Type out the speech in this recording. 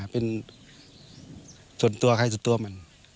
เป็นส่วนตัวใครส่วนตัวมัน